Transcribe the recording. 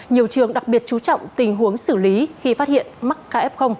nhiều trường đặc biệt chú trọng tình huống xử lý khi phát hiện mắc kf